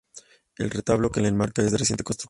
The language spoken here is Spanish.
El retablo que la enmarca es de reciente construcción.